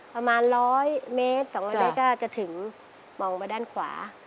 ประมาณร้อยเมตร๒๓เพลิงก็จะถึงมองมาด้านขวา